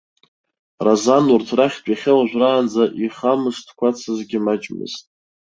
Разан урҭ рахьтә иахьа уажәраанӡа ихамышҭқәацызгьы маҷмызт.